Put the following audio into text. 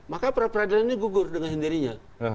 maka pra peradilan ini gugur dengan sendirinya